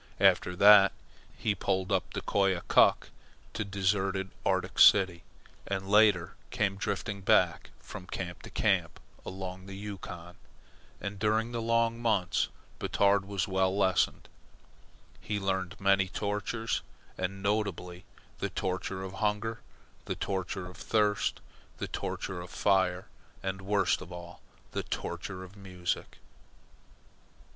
After that he poled up the Koyokuk to deserted Arctic City, and later came drifting back, from camp to camp, along the Yukon. And during the long months Batard was well lessoned. He learned many tortures, and, notably, the torture of hunger, the torture of thirst, the torture of fire, and, worst of all, the torture of music.